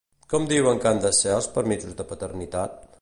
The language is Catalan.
Com diuen que han de ser els permisos de paternitat?